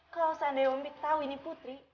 kalau seandainya om pit tahu ini putri